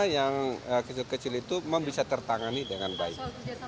yang kecil kecil itu memang bisa tertangani dengan baik